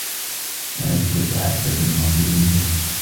هل تتحدث المقدونية ؟